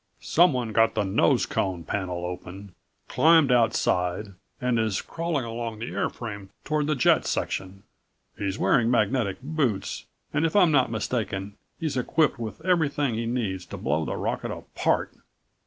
"Someone got the nose cone panel open, climbed outside and is crawling along the airframe toward the jet section! He's wearing magnetic boots and if I'm not mistaken he's equipped with everything he needs to blow the rocket apart."